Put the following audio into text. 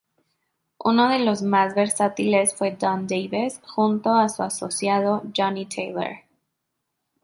Uno de los más versátiles fue Don Davis, junto a su asociado Johnnie Taylor.